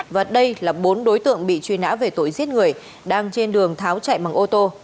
và đây là bốn đối tượng bị truy nã về tội giết người đang trên đường tháo chạy bằng ô tô